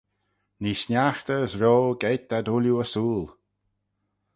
Nee sniaghtey as rio geiyrt ad ooilley ersooyl.